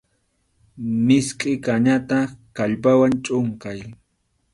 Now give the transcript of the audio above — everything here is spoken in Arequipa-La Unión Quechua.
Miskʼi kañata kallpawan chʼunqay.